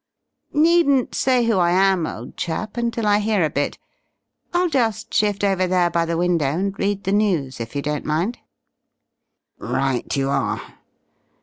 Needn't say who I am, old chap, until I hear a bit. I'll just shift over there by the window and read the news, if you don't mind." "Right you are."